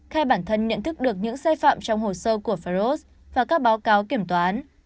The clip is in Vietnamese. khai bản thân nhận thức được những sai phạm trong hồ sơ của ferros và các báo cáo kiểm toán